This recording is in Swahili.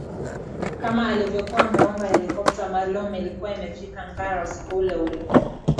Kama alivyokuwa ameomba helikopta maalumu ilikuwa imefika Ngara usiku uleule